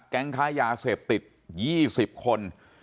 กแก๊งค้ายาเสพติด๒๐คน